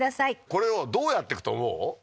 これをどうやってくと思う？